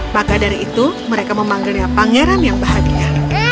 maka dari itu mereka memanggilnya pangeran yang bahagia